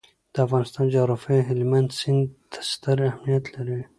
د افغانستان جغرافیه کې هلمند سیند ستر اهمیت لري.